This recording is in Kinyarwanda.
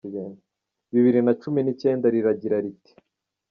bibiri na cumi n’icyenda riragira riti